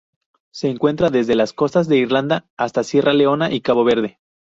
Se encuentra desde las costas de Irlanda hasta Sierra Leona y Cabo Verde.